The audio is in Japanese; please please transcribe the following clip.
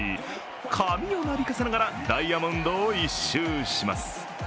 髪をなびかせながらダイヤモンドを１周します。